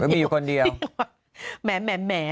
มีคนเดียวนี่ค่ะไหม